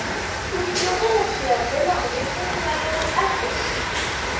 Creció en la ciudad de Londres en el barrio de "Acton".